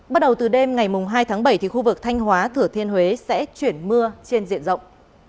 bắt đầu từ đêm ngày hai tháng bảy thì khu vực thanh hóa thửa thiên huế sẽ chuyển mưa trên diện rộng